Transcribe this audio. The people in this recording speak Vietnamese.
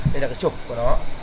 đây là cái trục của nó